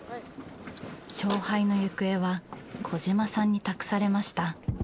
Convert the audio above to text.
勝敗の行方は小嶋さんに託されました。